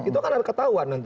itu kan ada ketahuan nanti